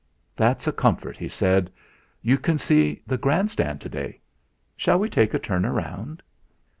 "That's a comfort," he said. "You can see the Grand Stand to day. Shall we take a turn round?"